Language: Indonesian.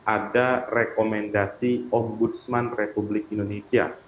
ada rekomendasi ombudsman republik indonesia